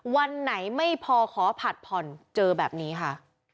วันไหนไม่พอขอผัดผ่อนเจอแบบนี้ค่ะ